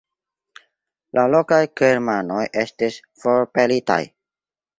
La lokaj germanoj estis forpelitaj.